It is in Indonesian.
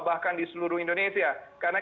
bahkan di seluruh indonesia karena